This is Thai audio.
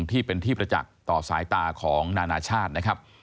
ที่เป็นที่ประจักษ์ต่อสายตาของนานาชาตินะครับ